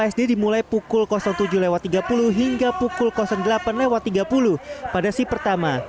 sd dimulai pukul tujuh tiga puluh hingga pukul delapan lewat tiga puluh pada sea pertama